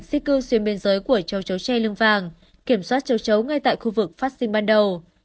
di cư xuyên biên giới của châu chấu tre lương vàng kiểm soát châu chấu ngay tại khu vực phát sinh ban đầu